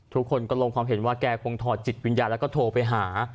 ทุกคนก็ลงความเห็นว่าแกคงถอดจิตวิญญาณแล้วก็โทรไปหา